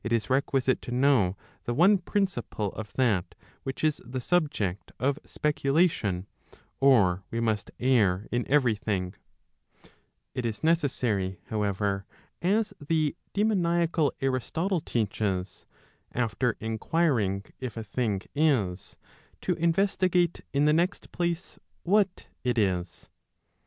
Digitized by t^OOQLe 446 ON PROVIDENCE requisite to know the one principle of that which is the subject of specu¬ lation, or we must err in every thing/' It is necessary however, as the demoniacal Aristotle teaches, after inquiring if a thing is, to investigate in the next place what it is.